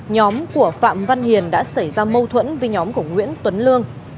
nhóm của phạm văn hiền đã xảy ra mâu thuẫn với nhóm của nguyễn tuấn lương